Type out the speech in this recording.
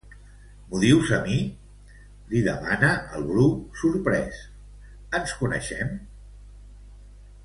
M'ho dius a mi? —li demana el Bru, sorprès— Ens coneixem?